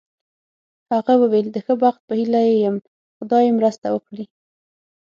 هغه وویل: د ښه بخت په هیله یې یم، خدای یې مرسته وکړي.